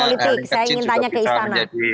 politik saya ingin tanya ke istana